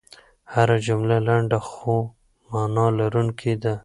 هره جمله لنډه خو مانا لرونکې ده.